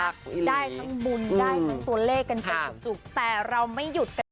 ได้ทั้งบุญได้ทั้งตัวเลขกันไปจุกแต่เราไม่หยุดกัน